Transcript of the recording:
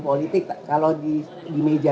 politik kalau di meja